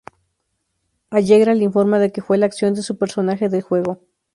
Allegra le informa de que fue la acción de su personaje del juego.